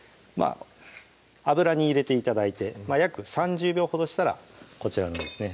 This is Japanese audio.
油に入れて頂いて約３０秒ほどしたらこちらのですね